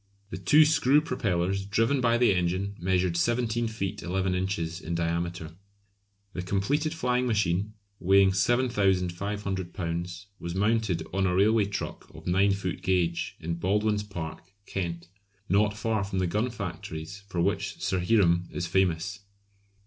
The two screw propellers driven by the engine measured 17 feet 11 inches in diameter. The completed flying machine, weighing 7500 lbs., was mounted on a railway truck of 9 foot gauge, in Baldwyn's Park, Kent, not far from the gun factories for which Sir Hiram is famous.